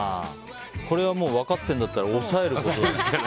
これは分かってるんだったら抑えることですよね。